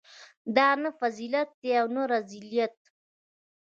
دا نه فضیلت دی او نه رذیلت.